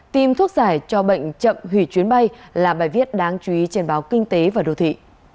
tiêm thuốc giải cho bệnh chậm hủy chuyến bay là bài viết đáng chú ý trên báo kinh tế và đô thị